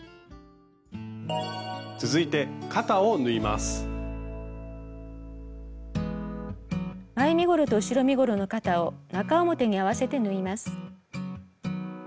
続いて前身ごろと後ろ身ごろの肩を中表に合わせて縫います。